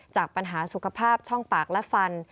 จากปัญหาสุขภาพช่องปากและฟัน